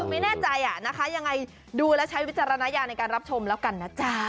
ไม่แน่ใจนะคะยังไงดูแล้วใช้วิจารณญาณในการรับชมแล้วกันนะจ๊ะ